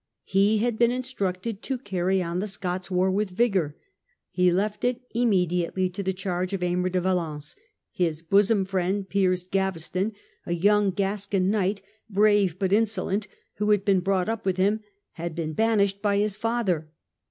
He had been instructed to carry on the Scots war with vigour. He left it immediately to the charge of Aymer de Valence. His bosom friend. Piers Gaveston, a young Gascon knight, brave but insolent, who had been brought up with him, had been banished by his father.